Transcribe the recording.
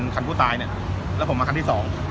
คันผู้ตายเนี่ยแล้วผมมาคันที่สอง